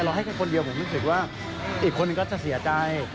ให้แค่คนเดียวผมรู้สึกว่าอีกคนนึงก็จะเสียใจ